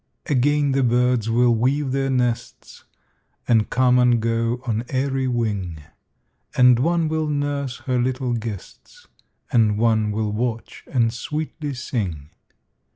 Again the birds will weave their nests, And come and go on airy wing; And one will nurse her little guests And one will watch and sweetly sing.